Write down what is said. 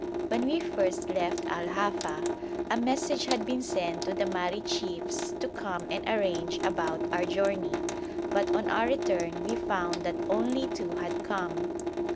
When we first left Al Hafa, a message had been sent to the Mahri chiefs to come and arrange about our journey, but on our return we found that only two had come.